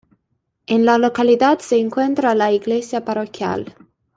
En la localidad se encuentra la iglesia parroquial.